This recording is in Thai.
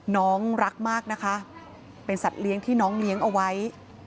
น้องรักมากนะคะเป็นสัตว์เลี้ยงที่น้องเลี้ยงเอาไว้